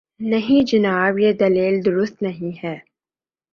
نہیں جناب، یہ دلیل درست نہیں ہے۔